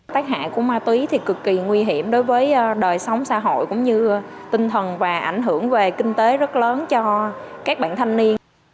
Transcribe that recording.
tác hại của ma túy thì cực kỳ nguy hiểm đối với đời sống xã hội cũng như tinh thần và ảnh hưởng về kinh tế rất lớn cho các bạn thanh niên